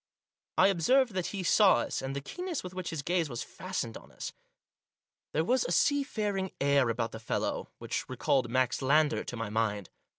I observed that he saw us, and the keenness with which his gaze was fastened on us. There was a seafaring air about the fellow which recalled Max Lander to my mind.